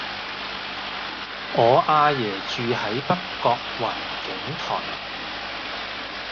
我阿爺住喺北角雲景台